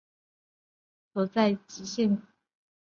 治所在齐熙县。